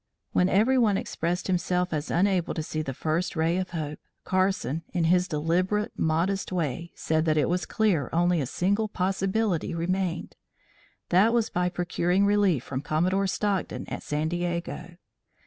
When every one expressed himself as unable to see the first ray of hope, Carson in his deliberate, modest way said that it was clear only a single possibility remained that was by procuring relief from Commodore Stockton at San Diego.